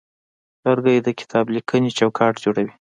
لرګی د کتابلیکنې چوکاټ جوړوي.